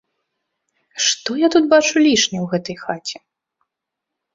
Што я тут бачу лішне ў гэтай хаце?